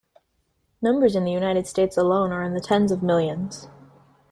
Numbers in the United States alone are in the tens of millions.